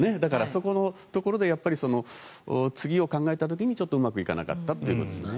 そこのところで次を考えた時にちょっとうまくいかなかったということですね。